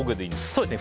そうですね。